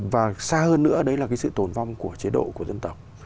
và xa hơn nữa đấy là cái sự tồn vong của chế độ của dân tộc